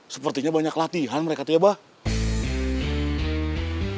sepertinya banyak latihan mereka itu ya bang